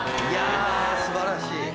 いや素晴らしい。